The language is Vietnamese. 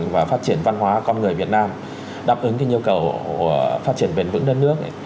và phát triển văn hóa con người việt nam đáp ứng cái nhu cầu phát triển bền vững đất nước